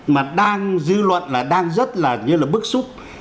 mà đang dư luận là đang rất là như là bức xúc